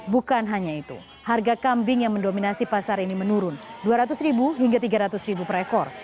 bukan hanya itu harga kambing yang mendominasi pasar ini menurun dua ratus ribu hingga tiga ratus per ekor